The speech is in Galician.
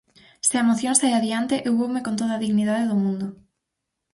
Se a moción sae adiante, eu voume con toda a dignidade do mundo.